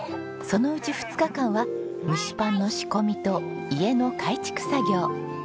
そのうち２日間は蒸しパンの仕込みと家の改築作業。